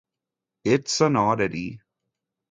It's an oddity.